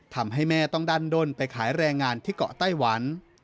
ทำให้แม่ต้องดั้นด้นไปขายแรงงานที่เกาะไต้หวัน